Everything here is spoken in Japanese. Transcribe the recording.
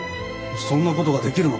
そんなことができるのか？